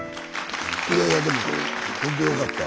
いやいやでもほんとよかった。